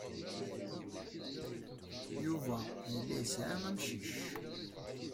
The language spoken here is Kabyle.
Yuba yella yesɛa amcic.